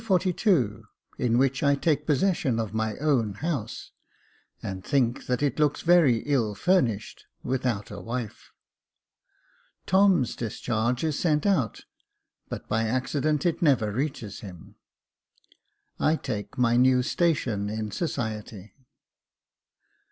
Chapter XLII In which I take possession of my own house, and think that it looks very ill furnished without a wife — Tom's discharge is sent out, but by accident it never reaches him — I take my new station in society.